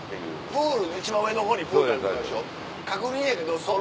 プール一番上の方にプールあるとこでしょ。